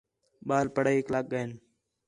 ٻال پڑھائیک لڳ ڳئین